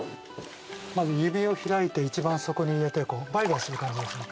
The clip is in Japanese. まず指を開いて一番底に入れてこうバイバイする感じですね。